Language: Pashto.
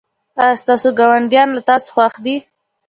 ایا ستاسو ګاونډیان له تاسو خوښ دي؟